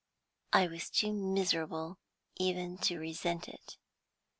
I was too miserable even to resent it.